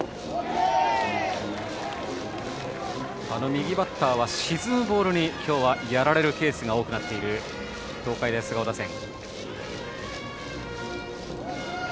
右バッターは沈むボールにやられるケースが多くなっている東海大菅生打線。